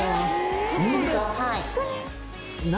はい。